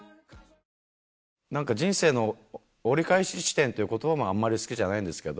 人生の折り返し地点っていう言葉もあんまり好きじゃないんですけど。